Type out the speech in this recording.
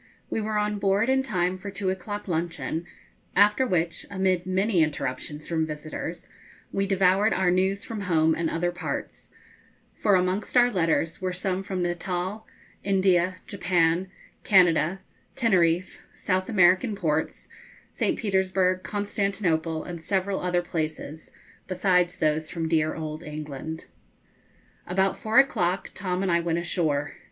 We were on board in time for two o'clock luncheon, after which, amid many interruptions from visitors, we devoured our news from home and other parts for amongst our letters were some from Natal, India, Japan, Canada, Teneriffe, South American ports, St. Petersburg, Constantinople, and several other places, besides those from dear old England. About four o'clock Tom and I went ashore.